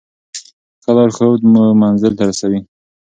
ښه لارښود مو منزل ته رسوي.